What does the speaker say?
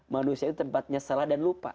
manusia itu tempatnya salah dan lupa